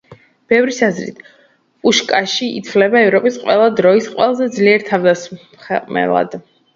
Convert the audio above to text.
ბევრის აზრით, პუშკაში ითვლება ევროპის ყველა დროის, ყველაზე ძლიერ თავდამსხმელად.